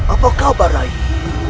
apa kabar rai